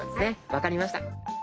分かりました。